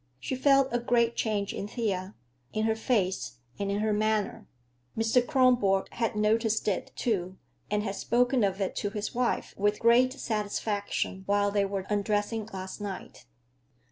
She felt a great change in Thea, in her face and in her manner. Mr. Kronborg had noticed it, too, and had spoken of it to his wife with great satisfaction while they were undressing last night.